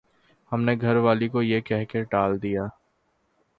ہم نے گھر والی کو یہ کہہ کر ٹال دیا